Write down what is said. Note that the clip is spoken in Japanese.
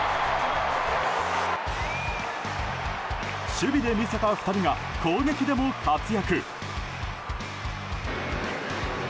守備で見せた２人が攻撃でも活躍。